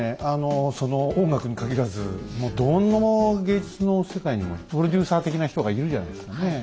その音楽に限らずもうどんな芸術の世界にもプロデューサー的な人がいるじゃないですかね。